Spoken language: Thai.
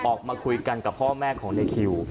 ออกมาคุยกันกับพ่อแม่ของในคิว